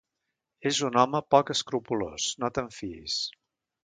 És un home poc escrupolós: no te'n fiïs.